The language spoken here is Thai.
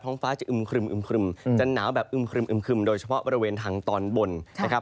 ฟ้าจะอึมครึมจะหนาวแบบอึมครึมโดยเฉพาะบริเวณทางตอนบนนะครับ